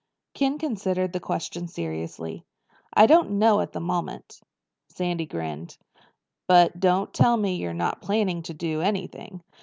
Ken considered the question seriously. "I don't know at the moment." Sandy grinned. "But don't tell me you're not planning to do anything.